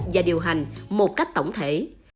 và điều hành một cách tổng thể